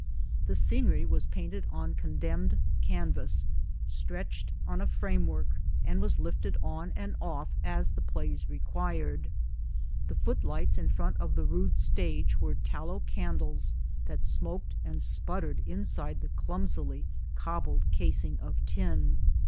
The scenery was painted on condemned canvas stretched on a frame work, and was lifted on and off as the plays required. The foot lights in front of the rude stage were tallow candles that smoked and sputtered inside the clumsily cobbled casing of tin.